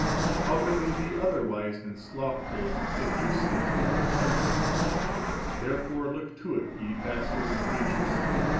How could they be otherwise than slothful if you sleep and are silent? Therefore look to it, ye pastors and preachers.